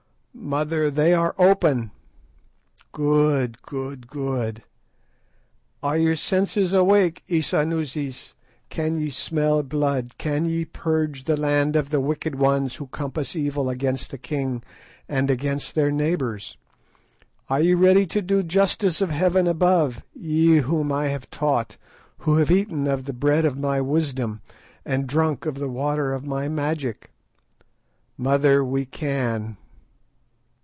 "Mother, they are open." "Good! good! good! Are your senses awake, Isanusis—can ye smell blood, can ye purge the land of the wicked ones who compass evil against the king and against their neighbours? Are ye ready to do the justice of 'Heaven above,' ye whom I have taught, who have eaten of the bread of my wisdom, and drunk of the water of my magic?" "Mother, we can."